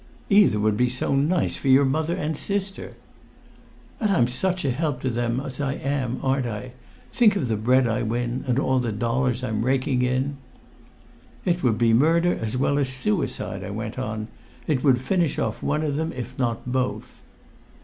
"Either would be so nice for your mother and sister!" "And I'm such a help to them as I am, aren't I? Think of the bread I win and all the dollars I'm raking in!" "It would be murder as well as suicide," I went on. "It would finish off one of them, if not both."